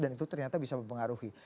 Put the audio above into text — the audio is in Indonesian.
dan itu ternyata bisa mempengaruhi